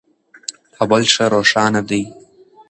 کابل ښه روښانه دی.